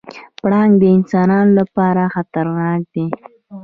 پړانګ د انسانانو لپاره خطرناک دی.